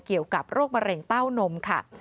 เกี่ยวกับโรคมะเร็งเต้านมค่ะ